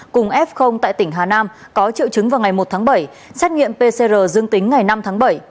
cùng f tại tỉnh hà nam có triệu chứng vào ngày một tháng bảy xét nghiệm pcr dương tính ngày năm tháng bảy